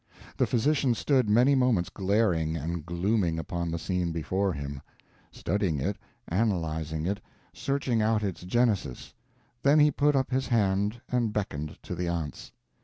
The physician stood many moments glaring and glooming upon the scene before him; studying it, analyzing it, searching out its genesis; then he put up his hand and beckoned to the aunts.